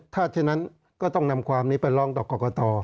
ถ้าเช่นนั้นก็ต้องนำความนี้ไปลองต่อก่อกกค่ะ